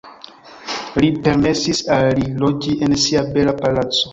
Li permesis al li loĝi en sia bela palaco.